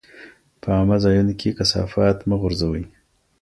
په عامه ځایونو کې کثافات مه غورځوئ.